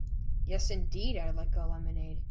Yes indeed, I'd like a lemonade.